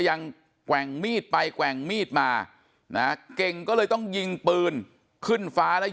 แกว่งมีดไปแกว่งมีดมานะเก่งก็เลยต้องยิงปืนขึ้นฟ้าแล้ว